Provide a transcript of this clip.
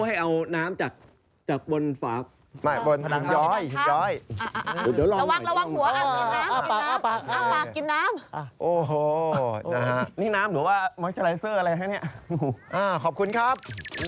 กินน้ำอ่ะโอ้โหนะฮะนี่น้ำหรือว่าอะไรฮะเนี้ยอ่าขอบคุณครับ